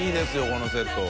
このセット。